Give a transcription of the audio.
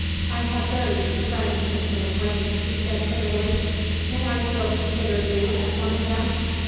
"I have very few friends, Mr. Le Frank," she said timidly. "May I still consider you as one of them?